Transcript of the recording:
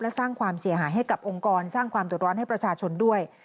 และสร้างความเสียหายให้กับองค์กรสร้างความเดือดร้อนให้ประชาชนด้วย